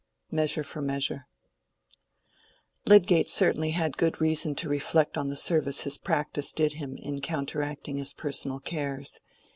—Measure for Measure. Lydgate certainly had good reason to reflect on the service his practice did him in counteracting his personal cares.